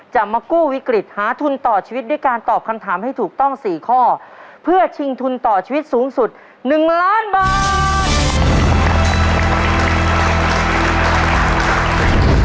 จะมากู้วิกฤตหาทุนต่อชีวิตด้วยการตอบคำถามให้ถูกต้อง๔ข้อเพื่อชิงทุนต่อชีวิตสูงสุด๑ล้านบาท